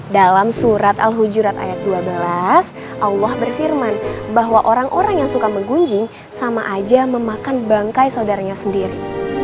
dalam surat al hujurat ayat dua belas allah berfirman bahwa orang orang yang suka menggunjing sama aja memakan bangkai saudaranya sendiri